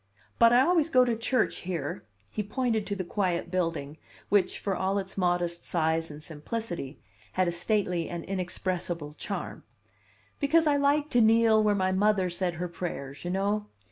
But I always go to church here" (he pointed to the quiet building, which, for all its modest size and simplicity, had a stately and inexpressible charm), "because I like to kneel where my mother said her prayers, you know."